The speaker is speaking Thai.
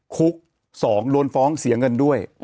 คุก๒โดนฟ้องเสียเงินด้วย